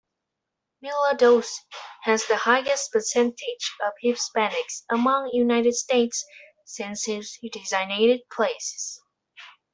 Mila Doce has the highest percentage of Hispanics among United States census-designated places.